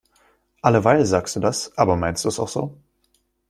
Alleweil sagst du das. Aber meinst du es auch so?